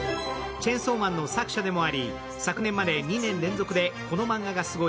「チェンソーマン」の作者でもあり、昨年まで２年連続でこのマンガがすごい！